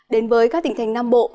đến với các tỉnh thành nam bộ